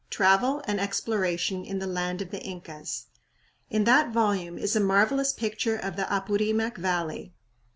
Travel and Exploration in the Land of the Incas." In that volume is a marvelous picture of the Apurimac Valley.